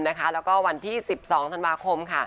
และวันที่๑๒ธันวาคม